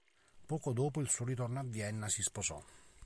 Poco dopo il suo ritorno a Vienna si sposò.